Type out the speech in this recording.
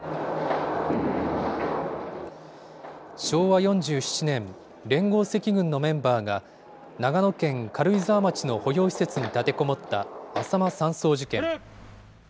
昭和４７年、連合赤軍のメンバーが、長野県軽井沢町の保養施設に立てこもったあさま山荘事件。